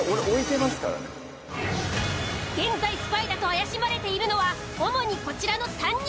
現在スパイだと怪しまれているのは主にこちらの３人。